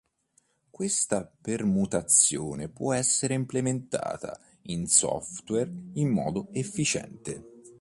Questa permutazione può essere implementata in software in modo efficiente.